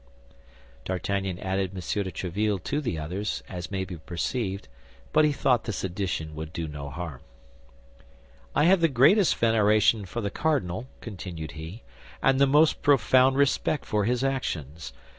D'Artagnan added M. de Tréville to the others, as may be perceived; but he thought this addition would do no harm. "I have the greatest veneration for the cardinal," continued he, "and the most profound respect for his actions.